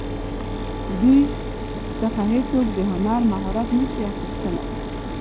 دوی څخه څوک د هنر مهارت نشي اخیستلی.